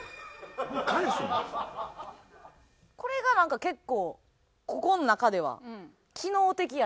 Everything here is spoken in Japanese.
これがなんか結構ここの中では。